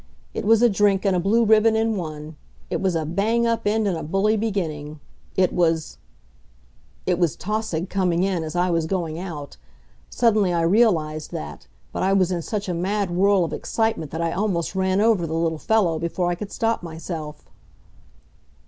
It was a drink and a blue ribbon in one. It was a bang up end and a bully beginning. It was It was Tausig coming in as I was going out. Suddenly I realized that, but I was in such a mad whirl of excitement that I almost ran over the little fellow before I could stop myself.